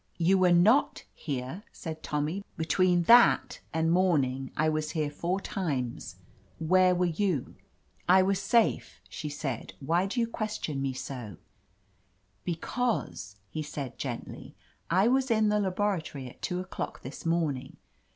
"You were not here," said Tommy. "Be tween that and morning, I was here four times. Where were you ?" 122 OF LETITIA CARBERRY "I was safe," she said. 'Why do you ques tion me so?'* "Because," he said gently, "I was in the laboratory at two o'clock this morning.